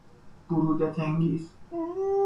برودت انگیز